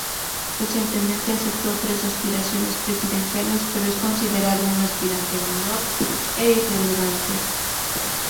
Recientemente acepto tener aspiraciones presidenciales pero es considerado un aspirante menor e irrelevante.